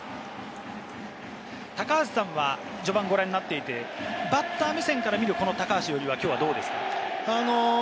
高橋さんは、序盤をご覧になっていて、バッター目線から見るこの山崎伊織は、どうですか？